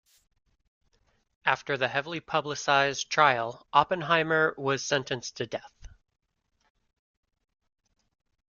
After the heavily publicized trial, Oppenheimer was sentenced to death.